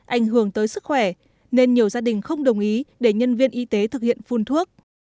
ảnh hưởng tới sức khỏe nên nhiều gia đình không đồng ý để nhân viên y tế thực hiện phun thuốc